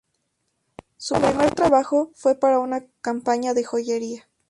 Su primer trabajo fue para una campaña de joyería.